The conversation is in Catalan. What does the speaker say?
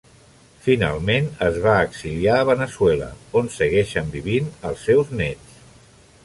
Finalment, es va exiliar a Veneçuela on segueixen vivint els seus néts.